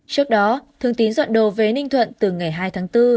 trước đó thường tín dọn đồ về ninh thuận từ ngày hai tháng bốn